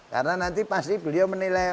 karena nanti pasti beliau menilai